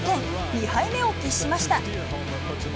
２敗目を喫しました。